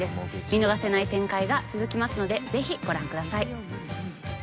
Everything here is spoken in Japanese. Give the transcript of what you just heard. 見逃せない展開が続きますのでぜひご覧ください。